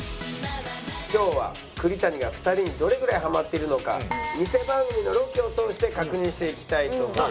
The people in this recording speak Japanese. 今日は栗谷が２人にどれぐらいハマっているのか偽番組のロケを通して確認していきたいと思います。